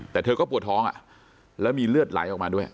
แต่เธอก็ปวดท้องแล้วมีเลือดไหลออกมาด้วย